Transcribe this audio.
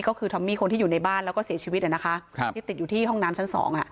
ก็คือทอมมี่คนที่อยู่ในบ้านแล้วก็เสียชีวิตที่ติดอยู่ที่ห้องน้ำชั้นสองอ่ะ